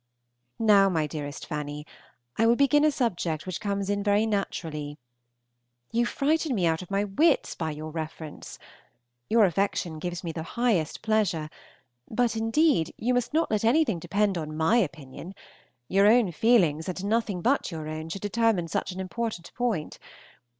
Now, my dearest Fanny, I will begin a subject which comes in very naturally. You frighten me out of my wits by your reference. Your affection gives me the highest pleasure, but indeed you must not let anything depend on my opinion; your own feelings, and none but your own, should determine such an important point.